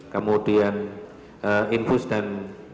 kemudian infus dan